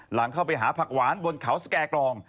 หลังเข้าไปหาผักหวานบนเขาสแก่กรอง